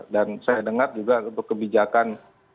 dan saya dengar juga kebijakan